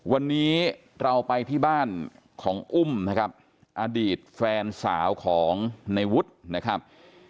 วันนี้เราไปที่บ้านของอุ้มนะครับอดีตแฟนสาวของในวุฒินะครับ